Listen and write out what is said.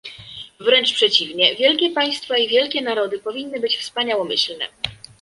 Wręcz przeciwnie - wielkie państwa i wielkie narody powinny być wspaniałomyślne